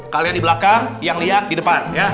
kalian di belakang yang lihat di depan